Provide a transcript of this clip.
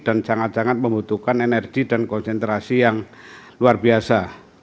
dan sangat sangat membutuhkan energi dan konsentrasi yang luar biasa